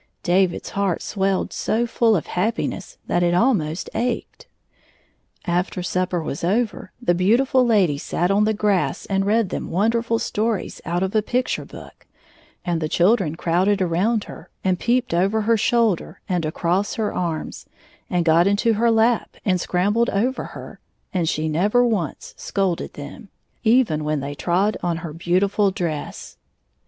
David's heart swelled so Ml of happiness that it almost ached. After supper was over the beautiful lady sat on the grass and read them wonderftQ stories out of a picture book, and the children crowded around her and peeped over her shoulder and across her arms, and got into her lap and scrambled over her, and she never once scolded them, — even when they trod on her beautiftil dress.